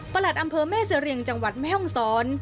หลัดอำเภอแม่เสรียงจังหวัดแม่ห้องศร